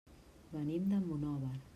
Venim de Monòver.